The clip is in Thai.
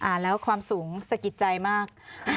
แล้วความสูงสะกิดใจมาก